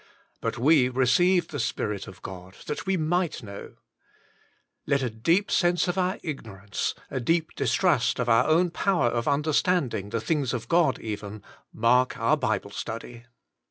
But we received the Spirit of God, that we might know !" Let a deep sense of our ignorance, a deep distrust of our own power of understanding the things of God even, mark our Bible study.